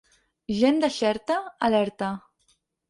Gent de Xerta, alerta.